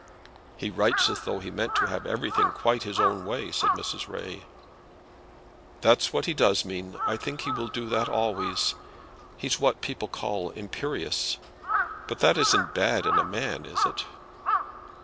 "He writes as though he meant to have everything quite his own way," said Mrs. Ray. "That's what he does mean. I think he will do that always. He's what people call imperious; but that isn't bad in a man, is it?"